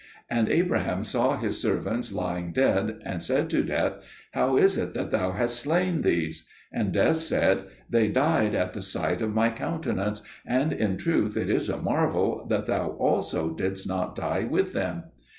And Abraham saw his servants lying dead, and said to Death, "How is it that thou hast slain these?" And Death said, "They died at the sight of my countenance, and in truth it is a marvel that thou also didst not die with them."